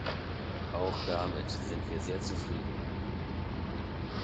Auch damit sind wir sehr zufrieden.